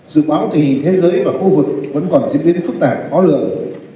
dự báo thì thế giới và khu vực vẫn còn diễn biến phức tạp khó lượng